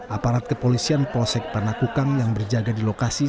aparat kepolisian polsek panakukang yang berjaga di lokasi